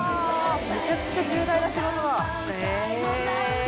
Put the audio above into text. めちゃくちゃ重大な仕事だ！